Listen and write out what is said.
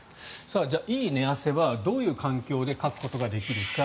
いい寝汗はどういう環境でかくことができるか。